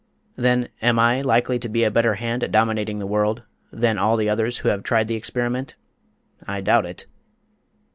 Then, am I likely to be a better hand at dominating the world than all the others who have tried the experiment? I doubt it."